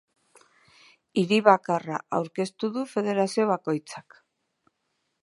Hiri bakarra aurkeztu du federazio bakoitzak.